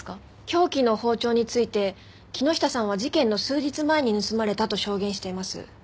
凶器の包丁について木下さんは事件の数日前に盗まれたと証言しています。